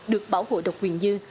được bảo hộ độc quyền như